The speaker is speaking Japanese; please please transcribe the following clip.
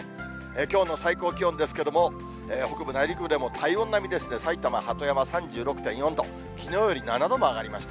きょうの最高気温ですけれども、北部、内陸部でも体温並みですね、埼玉・鳩山３６．４度、きのうより７度も上がりました。